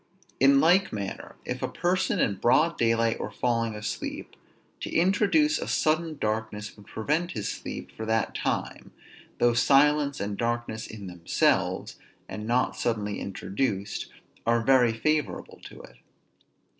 In like manner, if a person in broad daylight were falling asleep, to introduce a sudden darkness would prevent his sleep for that time, though silence and darkness in themselves, and not suddenly introduced, are very favorable to it.